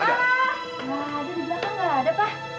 ada di belakang nggak ada pa